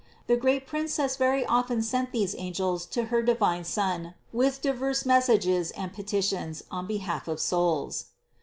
The great Princess very often sent these angels to her divine Son with diverse messages and petitions on behalf of souls.